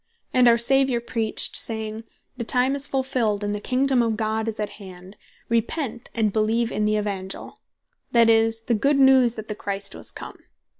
And (Mark 1.15.) our Saviour preached, saying, "The time is fulfilled, and the Kingdom of God is at hand, Repent and Beleeve the Evangile," that is, the Good news that the Christ was come.